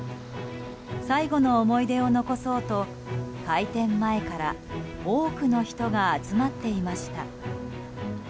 最後の思い出を残そうと開店前から多くの人が集まっていました。